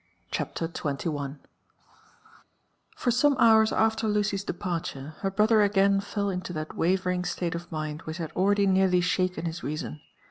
CHAPTER XXL For some, hours after Lucy's departure, her brother again fell into that wavering state of mind which had already nearly shaken his rea son.